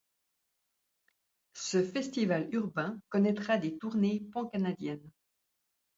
Ce festival urbain connaîtra des tournées pancanadiennes.